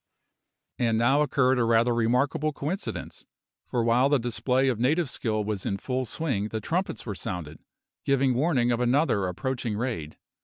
And now occurred a rather remarkable coincidence; for while the display of native skill was in full swing the trumpets were sounded, giving warning of another approaching raid.